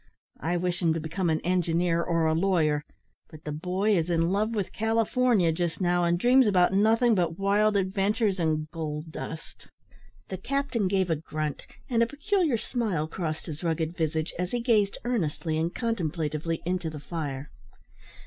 I wish him to become an engineer or a lawyer, but the boy is in love with California just now, and dreams about nothing but wild adventures and gold dust." The captain gave a grunt, and a peculiar smile crossed his rugged visage as he gazed earnestly and contemplatively into the fire.